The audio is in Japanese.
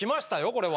これは。